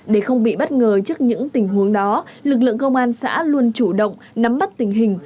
để không bị bất ngờ trước những tình huống đó lực lượng công an xã luôn chủ động nắm bắt tình hình